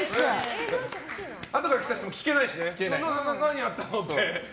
あとから来た人も聞けないしね。